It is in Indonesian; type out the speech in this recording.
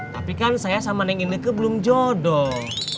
tapi kan saya sama neng inlike belum jodoh